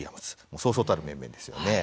もう、そうそうたる面々ですよね。